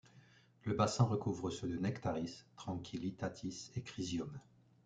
Le bassin recouvre ceux de Nectaris, Tranquillitatis et Crisium.